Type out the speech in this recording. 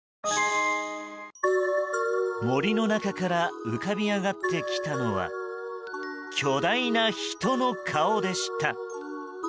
森の中から浮かび上がってきたのは巨大な人の顔でした。